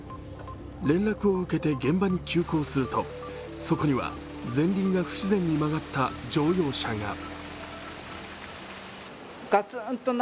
連絡を受けて現場に急行すると、そこには前輪が不自然に曲がった乗用車が。